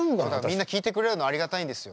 みんな聴いてくれるのありがたいんですよ。